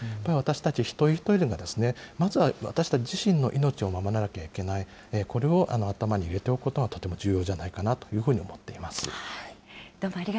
私たち一人一人がまずは私たち自身の命を守らなきゃいけない、これを頭に入れておくことがとても重要じゃないかなというふうに思っています。